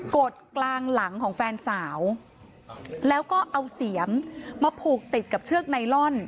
กดกลางหลังของแฟนสาวแล้วก็เอาเสียมมาผูกติดกับเชือกไนลอน